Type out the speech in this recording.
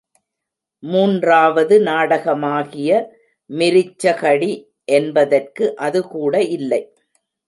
மூன்றாவது நாடகமாகிய, மிருச்ச கடி என்பதற்கு அதுகூட இல்லை.